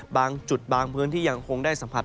บางจุดบางพื้นที่ยังคงได้สัมผัส